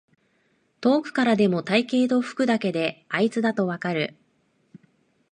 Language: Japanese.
遠くからでも体型と服だけであいつだとわかる